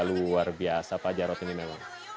luar biasa pak jarod ini memang